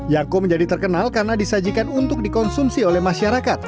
yangko menjadi terkenal karena disajikan untuk dikonsumsi oleh masyarakat